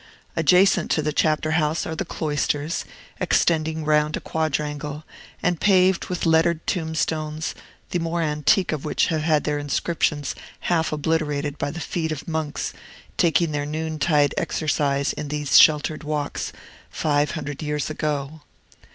Adjacent to the Chapter House are the cloisters, extending round a quadrangle, and paved with lettered tombstones, the more antique of which have had their inscriptions half obliterated by the feet of monks taking their noontide exercise in these sheltered walks, five hundred years ago.